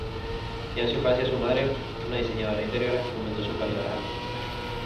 Ya en su infancia su madre, una diseñadora de interiores, fomentó sus cualidades artísticas.